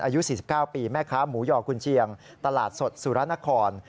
อายุ๔๙ปีแม่ค้าหมูยอกุญเชียงตลาดสดสุรนคร